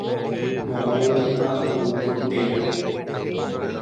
Moõguipa ou ko téra.